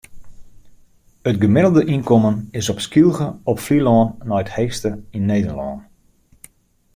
It gemiddelde ynkommen is op Skylge op Flylân nei it heechste yn Nederlân.